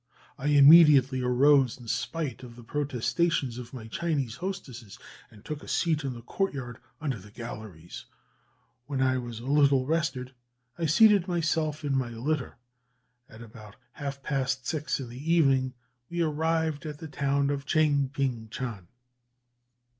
I immediately arose, in spite of the protestations of my Chinese hostesses, and took a seat in the courtyard under the galleries. When I was a little rested, I seated myself in my litter, and about half past six in the evening we arrived at the town of Tchaing ping tchan."